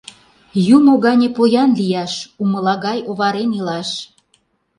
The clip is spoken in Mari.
Юмо гане поян лияш, умыла гай оварен илаш.